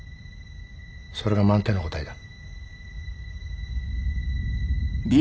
それが満点の答えだ。